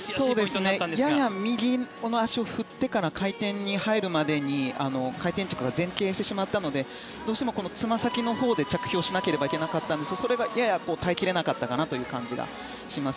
やや右の足を振ってから回転に入るまでに回転軸が前傾してしまったのでどうしてもつま先のほうで着氷をしなければいけなかったのでそれがやや耐え切れなかったかなという感じがします